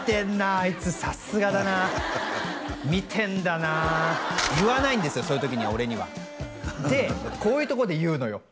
あいつさすがだな見てんだなあ言わないんですよそういう時には俺にはでこういうとこで言うのよ